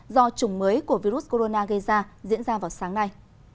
do chủng mới của virus corona gây ra diễn ra vào sáng nay